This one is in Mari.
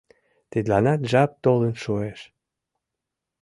Тидланат жап толын шуэш.